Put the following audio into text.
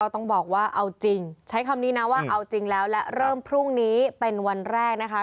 ต้องบอกว่าเอาจริงใช้คำนี้นะว่าเอาจริงแล้วและเริ่มพรุ่งนี้เป็นวันแรกนะคะ